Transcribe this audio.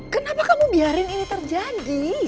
kenapa kamu biarin ini terjadi